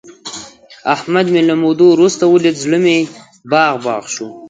احمد مې له مودو ورسته ولید، زړه مې باغ باغ شو.